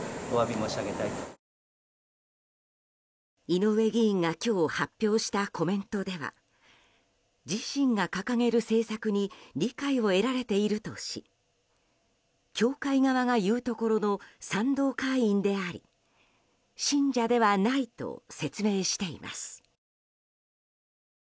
井上議員が今日発表したコメントでは自身が掲げる政策に理解を得られているとし教会側が言うところの賛同会員であり信者ではないと説明しています。